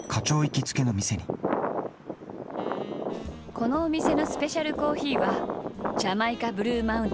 このお店のスペシャルコーヒーはジャマイカ・ブルーマウンテンよ。